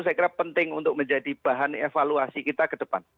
saya kira penting untuk menjadi bahan evaluasi kita ke depan